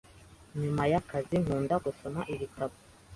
Nyuma y’akazi nkunda gusoma ibitabo.